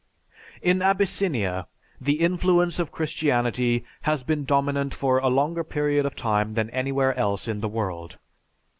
"_) In Abyssinia, the influence of Christianity has been dominant for a longer period of time than anywhere else in the world.